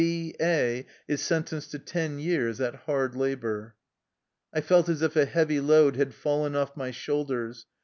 В A is sentenced to ten years at hard labor.'' I felt as if a heavy load had fallen off my shoulders.